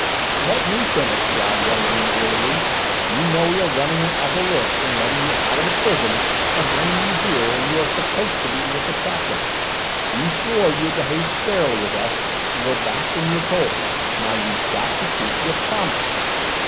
"Let me finish," growled one of the men irritably. "You know we are running an awful risk in getting you out of the prison and bringing you here when you are supposed to be with the chaplain; you swore you would behave squarely with us and go back when you were told. Now you've got to keep your promise."